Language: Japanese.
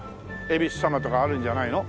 恵比寿様とかあるんじゃないの？